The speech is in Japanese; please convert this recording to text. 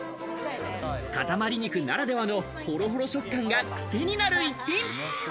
塊肉ならではのホロホロ食感がクセになる一品。